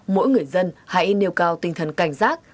mỗi người dân hãy nêu cao tinh thần cảnh giác